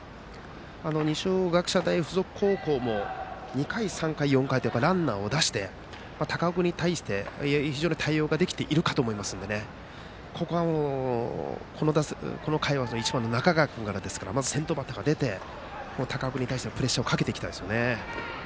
二松学舎大付属高校も２回、３回、４回とやっぱりランナーを出して高尾君に対して非常にいい対応ができていると思いますのでこの回は１番の中川君からですからまず先頭バッターが出て高尾君に対してプレッシャーかけたいですね。